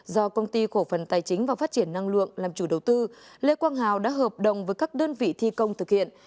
do công ty cổ phần tài chính và phát triển năng lượng làm chủ đầu tư lê quang hào đã hợp đồng với các đơn vị thi công thực hiện